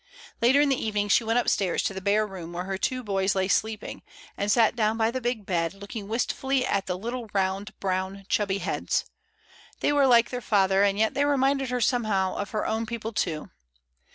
Later in the evening, she went upstairs to the bare room where her two boys lay sleeping, and sat down by the big bed, looking wistfully at the little round brown chubby heads. They were like their father, and yet they reminded her somehow of her own people too.